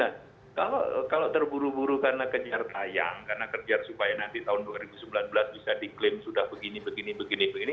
nah kalau terburu buru karena kenyar tayang karena kejar supaya nanti tahun dua ribu sembilan belas bisa diklaim sudah begini begini begini